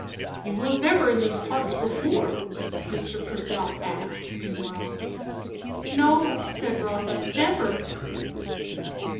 "You was never in these parts before?" Mr. Purcell asked meanwhile. "No," said Rotha. "Never."